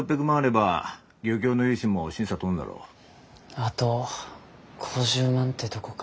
あと５０万ってとこか。